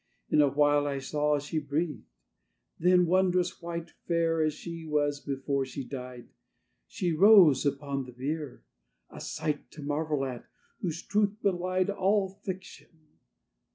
In a while I saw she breathed. Then, wondrous white, Fair as she was before she died, She rose upon the bier; a sight To marvel at, whose truth belied All fiction.